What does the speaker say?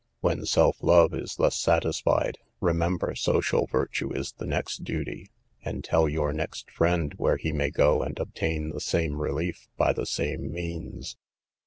When self love is thus satisfied, remember social virtue is the next duty, and tell your next friend where he may go and obtain the same relief, by the same means.